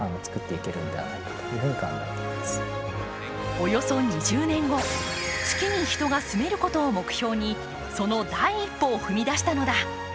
およそ２０年後、月に人が住めることを目標にその第一歩を踏み出したのだ。